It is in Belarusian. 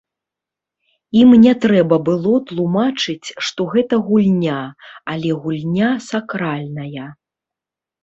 Ім не трэба было тлумачыць, што гэта гульня, але гульня сакральная.